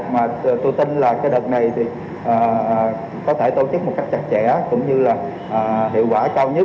mà tôi tin là cái đợt này thì có thể tổ chức một cách chặt chẽ cũng như là hiệu quả cao nhất